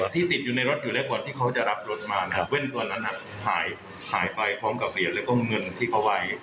ที่ติดอยู่ในรถอยู่แล้วก่อนที่เขาจะรับรถมาแว่นตัวนั้นหายไปพร้อมกับเหรียญแล้วก็เงินที่เขาไว้